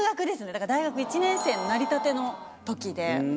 大学１年生のなりたての時で。